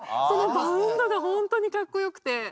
そのバウンドが本当にかっこ良くて。